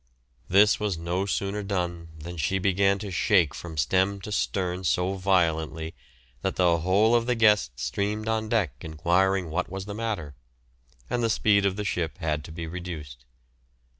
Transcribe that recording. This was no sooner done than she began to shake from stem to stern so violently that the whole of the guests streamed on deck enquiring what was the matter, and the speed of the ship had to be reduced.